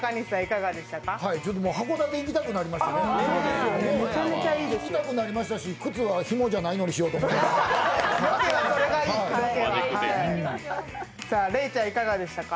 函館行きたくなりましたし、靴はひもじゃないのにしようと思いました。